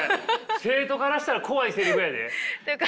生徒からしたら怖いせりふやで。